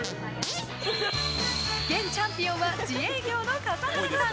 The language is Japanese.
現チャンピオンは自営業の笠原さん。